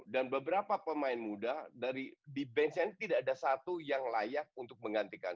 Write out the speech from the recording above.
dan beberapa pemain muda dari di bench ini tidak ada satu yang layak untuk menggantikan